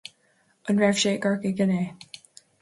An raibh sé i gCorcaigh inné